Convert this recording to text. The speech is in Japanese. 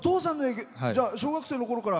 小学生のころから？